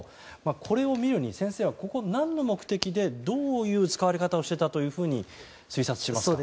これを見るに、先生はここは何の目的でどういう使われ方をしていたと推察しますか？